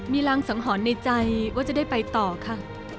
มีรางสังหรณ์ในใจว่าจะได้ไปต่อค่ะ